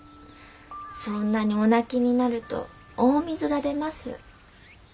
『そんなにお泣きになると大水が出ます』。